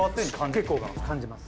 結構感じます。